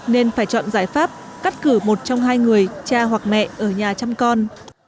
nên phải chọn giải pháp cắt cử một trong hai người cha hoặc mẹ ở nhà chăm con